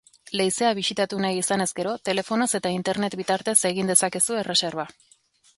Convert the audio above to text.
Leizea bisitatu nahi izanez gero, telefonoz eta internet bitartez egin dezakezu erreserba.